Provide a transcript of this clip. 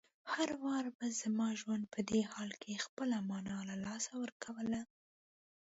هر وار به زما ژوند په دې حال کې خپله مانا له لاسه ورکوله.